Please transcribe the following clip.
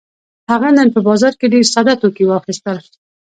هغه نن په بازار کې ډېر ساده توکي واخيستل.